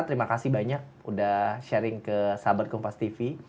terima kasih banyak sudah sharing ke sahabat kompas tv